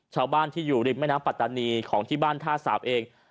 ชาวบ้านที่อยู่ริมแม่น้ำปัตตานีของที่บ้านท่าสาวเอง